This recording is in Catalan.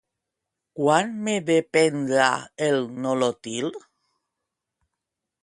Quan m'he de prendre el Nolotil?